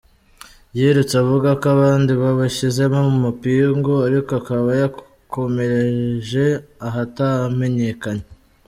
Yirutse avuga ko abandi babashyizemo amapingu, ariko akaba yakomereje ahatamenyekanye.